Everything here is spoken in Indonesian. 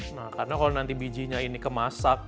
nah karena kalau nanti bijinya ini kemasak